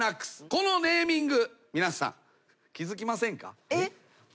このネーミング皆さん気付きませんか？